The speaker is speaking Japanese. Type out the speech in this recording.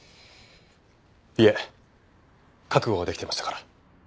いえ覚悟はできてましたから。